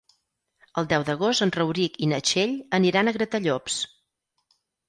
El deu d'agost en Rauric i na Txell aniran a Gratallops.